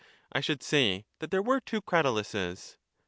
I should say that there were two Cratyluses.